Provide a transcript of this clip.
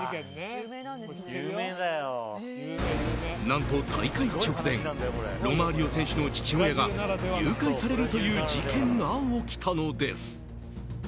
何と、大会直前ロマーリオ選手の父親が誘拐されるという事件が起きたのです。